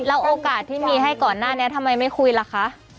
แล้วโอกาสที่มีให้ก่อนหน้านี้ทำไมไม่คุยล่ะคะ